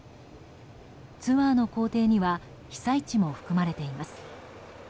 ツアーの行程には被災地も含まれています。